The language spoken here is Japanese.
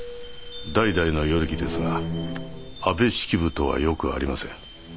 代々の与力ですが安部式部とはよくありません。